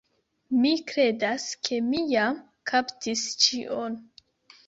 Mi kredas ke mi jam kaptis ĉion.